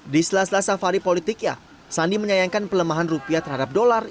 di sela sela safari politiknya sandi menyayangkan pelemahan rupiah terhadap dolar